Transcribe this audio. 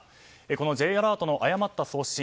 このＪアラートの誤った送信